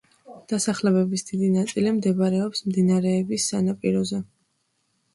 დასახლებების დიდი ნაწილი მდებარეობდა მდინარეების სანაპიროზე.